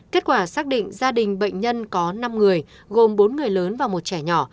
kết quả xác định gia đình bệnh nhân có năm người gồm bốn người lớn và một trẻ nhỏ